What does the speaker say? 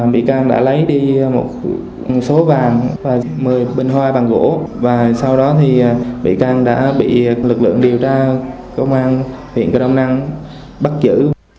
bị can đã lấy đi một số vàng và một mươi bình hoa bằng gỗ và sau đó thì bị can đã bị lực lượng điều tra công an huyện cơ đông năng bắt giữ